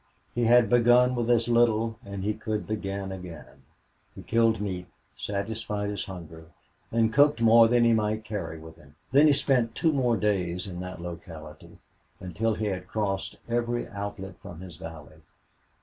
He had begun with as little and he could begin again. He killed meat, satisfied his hunger, and cooked more that he might carry with him. Then he spent two more days in that locality, until he had crossed every outlet from his valley.